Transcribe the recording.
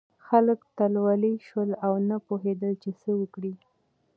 خلک تلولي شول او نه پوهېدل چې څه وکړي.